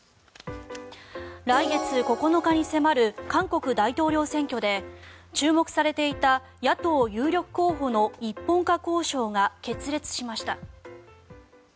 来月９日に迫る韓国大統領選挙で注目されていた野党有力候補の一本化交渉が決裂しました。